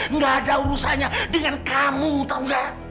enggak ada urusannya dengan kamu tau gak